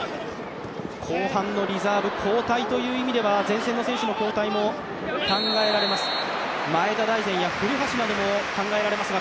後半のリザーブ、交代という意味では前線の選手の交代も考えられます。